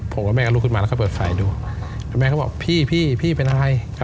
ผมว่าแม่ก็ลุกขึ้นมาแล้วก็เปิดฝ่ายดูแม่ก็บอกพี่เป็นอะไร